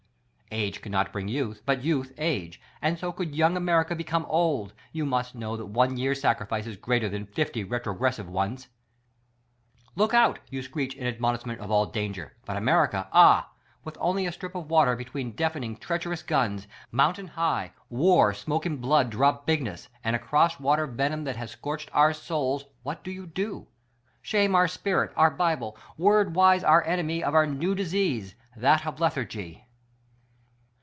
Age cannot bring youth, but youth, age ; and so could young America be come old. You must know that one year's sacrifice is greater than fifty retro gressive ones ! Look out! — you screech in admonishment of all danger; but America, ah! — with only a strip of water between deafening, treacherous guns; mountain high — WAR smoke in blood drop bigness ; and across water venom that has scorched our souls — what do you do ? Shame our s pirit — our bible : Word wise our enemy of our new disease: That of lethargy.